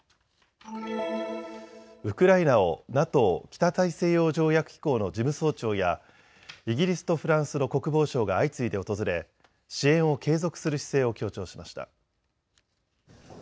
ウクライナをＮＡＴＯ・北大西洋条約機構の事務総長やイギリスとフランスの国防相が相次いで訪れ、支援を継続する姿勢を強調しました。